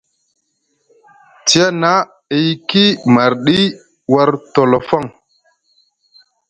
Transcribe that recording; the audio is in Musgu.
Tiyana e yiki marɗi war tolofoŋ.